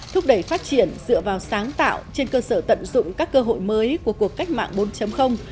thúc đẩy phát triển dựa vào sáng tạo trên cơ sở tận dụng các cơ hội mới của cuộc cách mạng bốn